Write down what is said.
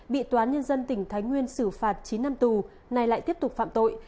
bị toán nhân dân tỉnh thái nguyên xử phạt chín năm tù nay lại tiếp tục phạm tội